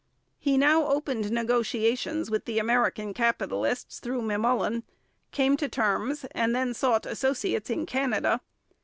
He now opened negotiations with the American capitalists through M'Mullen, came to terms, and then sought associates in Canada.